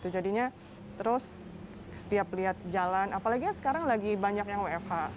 jadinya terus setiap lihat jalan apalagi kan sekarang lagi banyak yang wfh